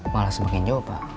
malah semakin jauh pak